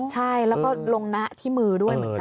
ใช่แล้วก็ลงนะที่มือด้วยเหมือนกัน